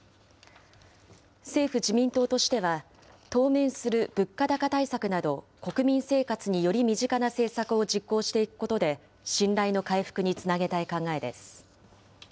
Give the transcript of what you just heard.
政府・自民党としては、当面する物価高対策など、国民生活により身近な政策を実行していくことで、信頼の回復につなげたい考えです。